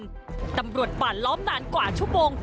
ก็จะทำรวดป่านล้อมนานกว่าชั่วโบง